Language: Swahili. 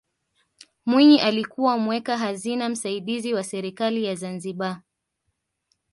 mwinyi alikuwa mweka hazina msaidizi wa serikali ya zanzibar